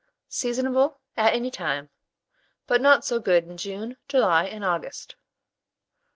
Seasonable at any time, but not so good in June, July, and August.